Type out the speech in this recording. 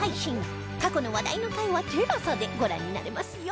過去の話題の回は ＴＥＬＡＳＡ でご覧になれますよ